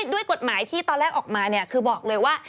ด้วยกฎหมายที่ตอนแรกออกมาคือบอกเลยว่า